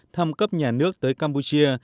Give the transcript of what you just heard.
thăm cấp nhà nước tới campuchia